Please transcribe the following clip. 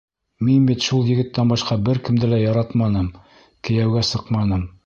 Мин бит шул егеттән башҡа бер кемде лә яратманым, кейәүгә сыҡманым.